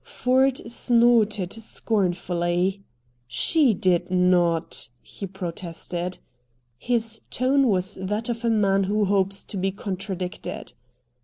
Ford snorted scornfully. "She did not!" he protested. His tone was that of a man who hopes to be contradicted.